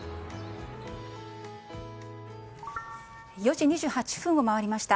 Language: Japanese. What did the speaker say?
４時２８分を回りました。